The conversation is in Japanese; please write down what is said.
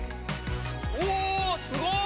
うおすごい！